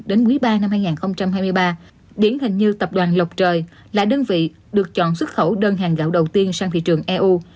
đến quý ba năm hai nghìn hai mươi ba điển hình như tập đoàn lộc trời là đơn vị được chọn xuất khẩu đơn hàng gạo đầu tiên sang thị trường eu